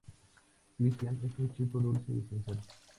Christian: Es un chico dulce y sincero.